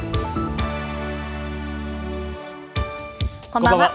こんばんは。